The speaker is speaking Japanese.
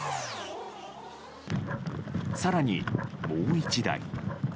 更にもう１台。